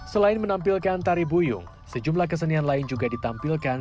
selain menampilkan tari buyung sejumlah kesenian lain juga ditampilkan